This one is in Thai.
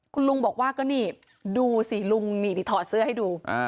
คุณลุงบอกว่าก็นี่ดูสิลุงนี่ถอดเสื้อให้ดู